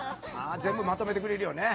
全部まとめてくれるよね。